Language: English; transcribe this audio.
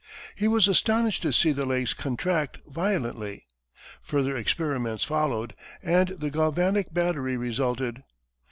He was astonished to see the legs contract violently. Further experiments followed, and the galvanic battery resulted.